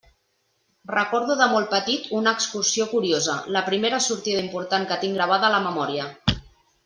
Recordo de molt petit una excursió curiosa, la primera sortida important que tinc gravada a la memòria.